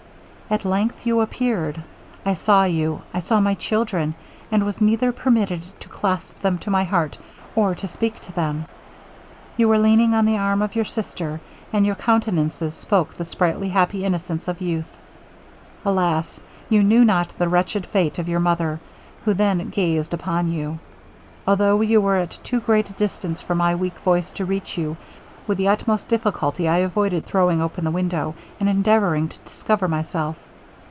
'At length you appeared. I saw you I saw my children and was neither permitted to clasp them to my heart, or to speak to them! You was leaning on the arm of your sister, and your countenances spoke the sprightly happy innocence of youth. Alas! you knew not the wretched fate of your mother, who then gazed upon you! Although you were at too great a distance for my weak voice to reach you, with the utmost difficulty I avoided throwing open the window, and endeavouring to discover myself.